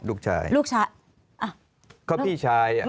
ลูกชาย